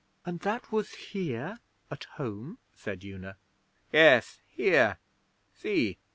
'And that was here at home?' said Una. 'Yes, here. See!